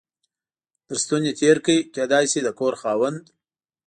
تر ستوني تېر کړ، کېدای شي د کور خاوند.